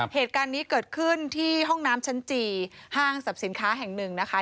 เหตุการณ์นี้เกิดขึ้นที่ห้องน้ำชั้นจีห้างสรรพสินค้าแห่งหนึ่งนะคะ